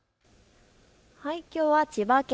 きょうは千葉県